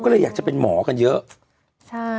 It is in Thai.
ก็เลยอยากจะเป็นหมอกันเยอะใช่